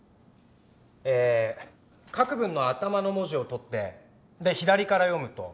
えー各文の頭の文字を取って左から読むと。